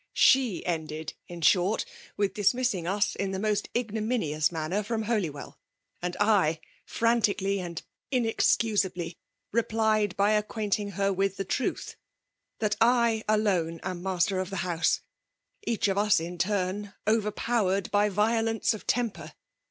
She ended, in short, with dismissing us in the most igno minious manner from Holywell ; and /, Aranti cally and inexcusably, replied by acquainting her with the truth, — ^that / alone am master of the house ; each of us, in turn, overpowered by violence of temper!